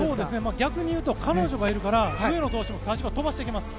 逆に言うと彼女がいるから上野投手も最初から飛ばしていきます。